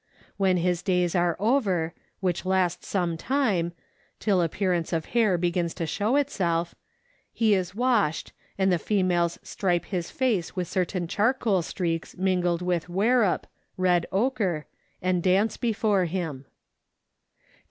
When his days are over, which last some time till appearance of hair begins to show itself, he is washed, and the females stripe his face with certain charcoal streaks mingled with werup (red ochre), and dance before him.